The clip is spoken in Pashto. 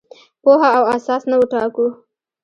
پوهه اساس نه وټاکو.